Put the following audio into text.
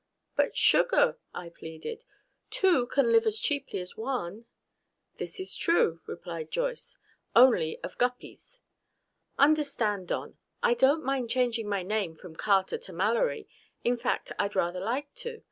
"But, sugar," I pleaded, "two can live as cheaply as one " "This is true," replied Joyce, "only of guppies. Understand, Don, I don't mind changing my name from Carter to Mallory. In fact, I'd rather like to.